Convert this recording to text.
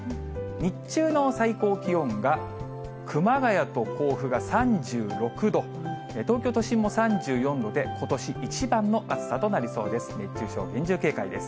日中の最高気温が熊谷と甲府が３６度、東京都心も３４度で、ことし一番の暑さとなりそうです。